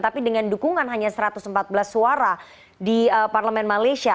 tapi dengan dukungan hanya satu ratus empat belas suara di parlemen malaysia